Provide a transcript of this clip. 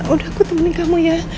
udah aku temenin kamu ya